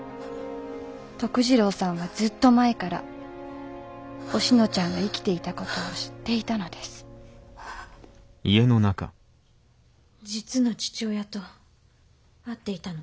徳次郎さんはずっと前からおしのちゃんが生きていた事を知っていたのです実の父親と会っていたの。